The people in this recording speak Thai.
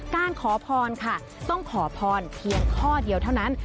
การขอพรค่ะต้องขอพรเพียงข้อเดียวเท่านั้น